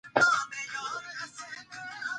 الوتکې ته د ننوتلو وخت پای ته ورسېد.